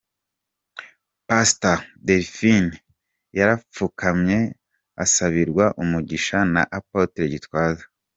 Pastor Delphin yarapfukamye asabirwa umugisha na Apotre Gitwaza.